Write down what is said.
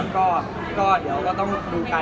ก็เดี๋ยวก็ต้องดูกัน